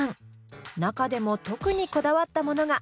中でも特にこだわったものが。